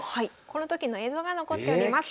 この時の映像が残っております。